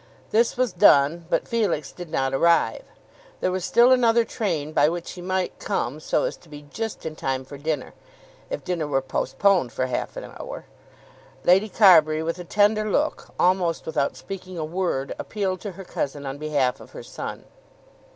This was done, but Felix did not arrive. There was still another train by which he might come so as to be just in time for dinner if dinner were postponed for half an hour. Lady Carbury with a tender look, almost without speaking a word, appealed to her cousin on behalf of her son.